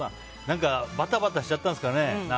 バタバタしちゃったんですかね。